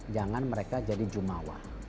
jangan mereka jadi jumawa